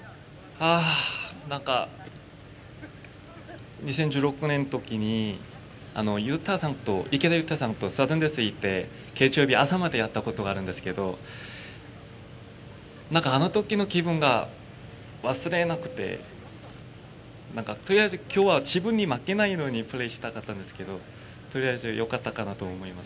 ああなんか２０１６年のときに池田勇太さんと行って、月曜日、朝までやったことがあるんですけど、あのときの気分が忘れられなくて、なんかとりあえずきょうは自分に負けないようにプレーしたかったんですけど、よかったかなと思います。